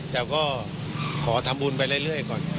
แต่ก็ขอทำบุญไปเรื่อยก่อน